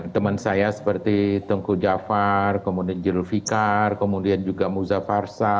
teman saya seperti tengku jafar kemudian jirul fikar kemudian juga muza farsa